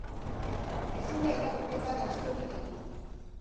Ezin da irakurketa gaiztorik egin.